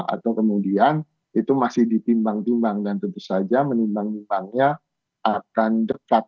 atau kemudian itu masih ditimbang timbang dan tentu saja menimbang nimbangnya akan dekat